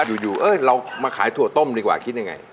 อยู่เออเรามาขายถั่วต้มดีกว่าคิดยังไง